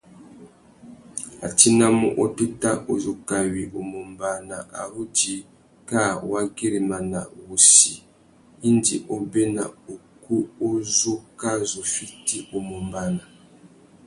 A tinamú otéta uzu kawi u mù ombāna a ru djï kā wa güirimana wussi indi obéna ukú u zu kā zu fiti u mù ombāna.